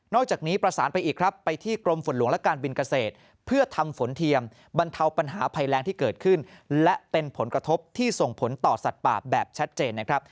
จากนี้ประสานไปอีกครับไปที่กรมฝนหลวงและการบินเกษตรเพื่อทำฝนเทียมบรรเทาปัญหาภัยแรงที่เกิดขึ้นและเป็นผลกระทบที่ส่งผลต่อสัตว์ป่าแบบชัดเจนนะครับ